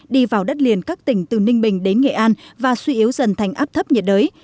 đi vào đất liền các tỉnh từ ninh bình đến nghệ an và suy yếu dần thành áp thấp nhiệt đới